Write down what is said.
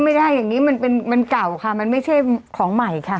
ไม่ได้อย่างนี้มันเก่าค่ะมันไม่ใช่ของใหม่ค่ะ